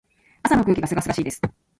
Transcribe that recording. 朝の空気が清々しいです。